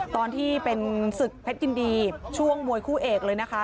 ตอนที่เป็นศึกเพชรยินดีช่วงมวยคู่เอกเลยนะคะ